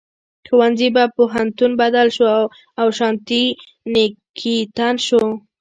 ښوونځي په پوهنتون بدل شو او شانتي نیکیتن شو.